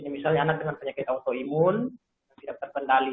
misalnya anak dengan penyakit autoimun yang tidak terkendali